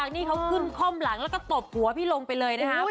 ครั้งนี้เขากึ่งค่อมหลังแล้วก็ตบหัวพี่ลงไปเลยนะฮะอุ้ย